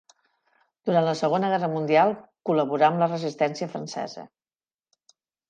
Durant la segona guerra mundial col·laborà amb la resistència francesa.